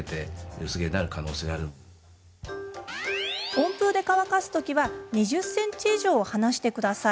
温風で乾かすときは２０ｃｍ以上離してください。